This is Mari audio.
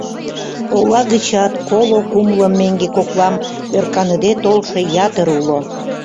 Ола гычат коло-кумло меҥге коклам ӧрканыде толшо ятыр уло.